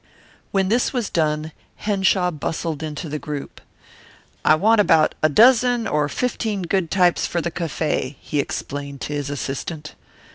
When this was done Henshaw bustled into the group. "I want about a dozen or fifteen good types for the cafe," he explained to his assistant.